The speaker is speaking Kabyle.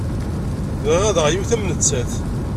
Bɣiɣ ad aɣeɣ yiwet am nettat.